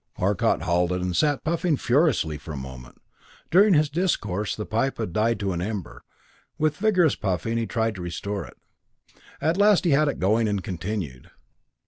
Arcot halted, and sat puffing furiously for a moment. During his discourse the pipe had died to an ember; with vigorous puffing he tried to restore it. At last he had it going and continued.